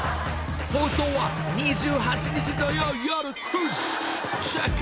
放送は２８日土曜夜９時。